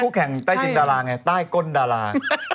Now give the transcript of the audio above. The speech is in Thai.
แข่งใต้จินดาราไงใต้ก้นดารา